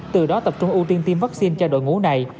từ đó tập trung ưu tiên tiêm vaccine cho đội ngũ này